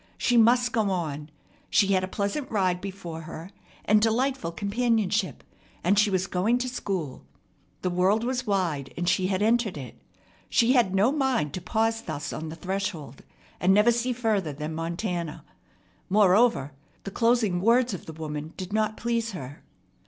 She must go on. She had a pleasant ride before her, and delightful companionship; and she was going to school. The world was wide, and she had entered it. She had no mind to pause thus on the threshold, and never see further than Montana. Moreover, the closing words of the woman did not please her.